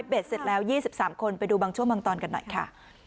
อัพเบจเสร็จแล้ว๒๓คนไปดูบังชั่วมังตอนกันหน่อยค่ะ